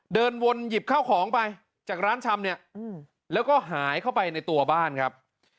เดินวนหยิบข้าวของไปจากร้านชำเนี่ยแล้วก็หายเข้าไปในตัวบ้านครับ